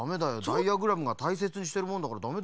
ダイヤグラムがたいせつにしてるものだからダメだよ。